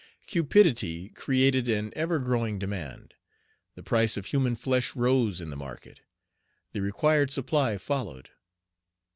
Cupidity created an ever growing demand; the price of human flesh rose in the market; the required supply followed.